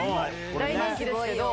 大人気ですけど。